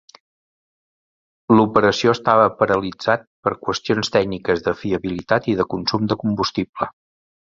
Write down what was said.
L'operació estava paralitzat per qüestions tècniques, de fiabilitat i de consum de combustible.